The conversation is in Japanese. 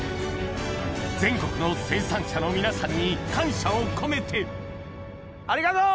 全国の生産者の皆さんに感謝を込めてありがとう！